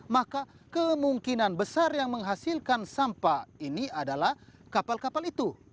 maka kemungkinan besar yang menghasilkan sampah ini adalah kapal kapal itu